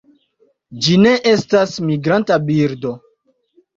Ĝi ne estas migranta birdo.